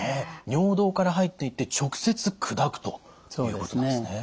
尿道から入っていって直接砕くということなんですね。